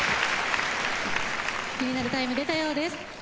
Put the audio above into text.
気になるタイム出たようです。